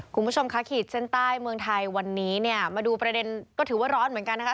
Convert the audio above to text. คุณผู้ชมค่ะขีดเส้นใต้เมืองไทยวันนี้เนี่ยมาดูประเด็นก็ถือว่าร้อนเหมือนกันนะคะ